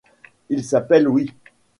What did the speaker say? Il s’appelle Louis.